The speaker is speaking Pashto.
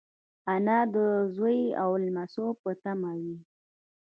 انا د زوی او لمسيو په تمه وي